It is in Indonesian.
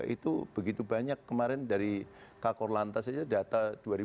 itu begitu banyak kemarin dari kakor lantas saja data dua ribu tujuh belas dua ribu delapan belas